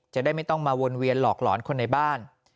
จะได้ไม่ต้องมาวนเวียนหลอกหลอนคนในบ้าน